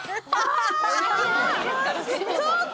そうか！